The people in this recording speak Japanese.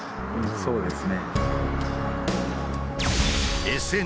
そうですね。